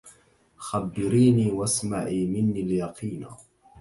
خبّريني واسمعي مني اليقين